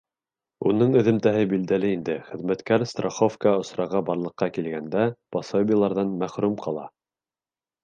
Уның эҙемтәһе билдәле инде: хеҙмәткәр страховка осрағы барлыҡҡа килгәндә пособиеларҙан мәхрүм ҡала.